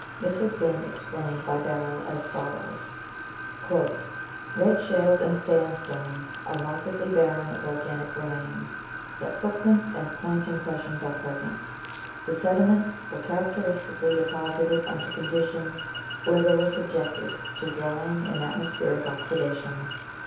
This has been explained by Barrell as follows: " Red shales and sandstones are markedly barren of organic remains, yet footprints and plant impressions are present. The sediments were characteristically deposited under conditions where they were subjected to drying and atmospheric oxidation.